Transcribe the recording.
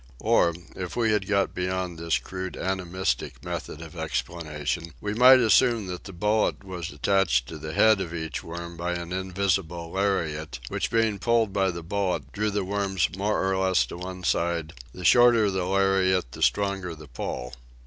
Or if we had got be yond this crude animistic method of explanation we might assume that the bullet was attached to the head of each worm by an invisible lariat which being pulled by the bullet drew the worms more or less to one side, the shorter the lariat the stronger the pull.